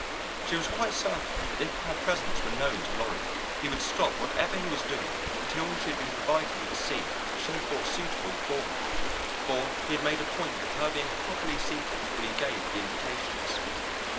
She was quite certain that if her presence were known to Loring he would stop whatever he was doing until she had been provided with a seat which he thought suitable for her, for he had made a point of her being properly seated when he gave the invitations.